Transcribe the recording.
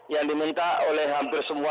yang diminta oleh hampir semua